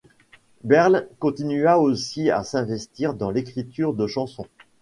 Berle continua aussi à s'investir dans l'écriture de chansons.